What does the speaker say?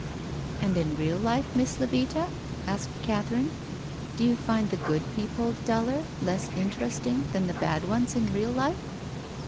" And in real life. Miss Levita ?" asked Cath erine. " Do you find the good people duller, less interesting, than the bad ones in real life